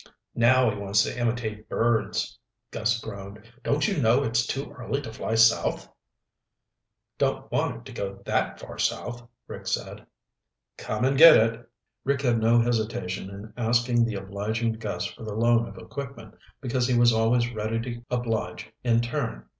"Now he wants to imitate birds," Gus groaned. "Don't you know it's too early to fly south?" "Don't want to go that far south," Rick said. "Come and get it." Rick had no hesitation in asking the obliging Gus for the loan of equipment because he was always ready to oblige in turn.